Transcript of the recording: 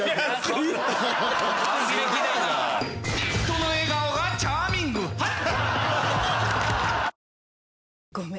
その笑顔がチャーミングハッ！